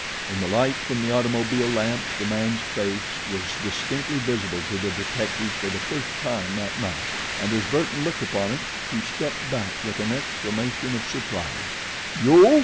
In the light from the automobile lamps the man's face was distinctly visible to the detective for the first time that night, and as Burton looked upon it he stepped back with an exclamation of surprise. "You?"